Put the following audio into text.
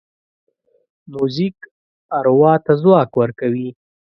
موزیک اروا ته ځواک ورکوي.